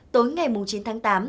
tối ngày chín tháng tám